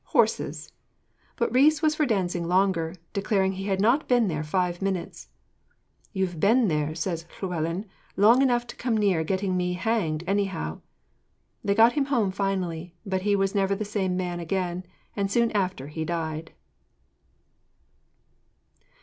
Horses!' But Rhys was for dancing longer, declaring he had not been there five minutes. 'You've been there,' says Llewellyn, 'long enough to come near getting me hanged, anyhow.' They got him home finally, but he was never the same man again, and soon after he died.